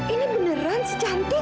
ini beneran si cantik